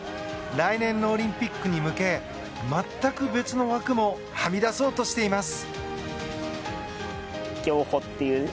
来年のオリンピックに向け全く別の枠もはみ出そうとしています。